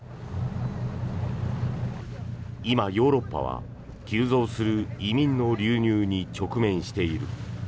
今、ヨーロッパは急増する移民の流入に直面している。